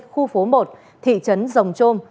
khu phố một thị trấn rồng trôm